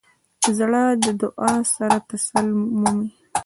زړه د دعا سره تسل مومي.